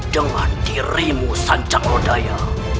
dengan dirimu sancak laudaya